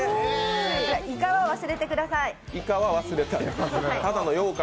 いかは忘れてください。